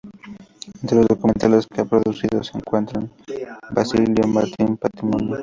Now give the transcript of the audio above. Entre los documentales que ha producido se encuentran: "Basilio Martín Patino.